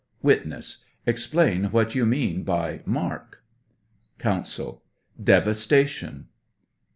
Witness. Explain what you mean by "mark?" Counsel. Devastation.